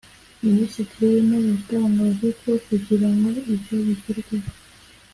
Minisitiri w’Intebe yatangaje ko kugira ngo ibyo bigerweho